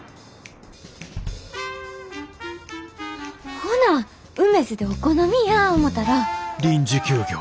ほなうめづでお好みやぁ思たら。